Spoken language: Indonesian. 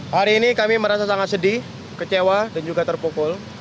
hari ini kami merasa sangat sedih kecewa dan juga terpukul